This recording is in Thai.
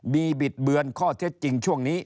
บิดเบือนข้อเท็จจริงช่วงนี้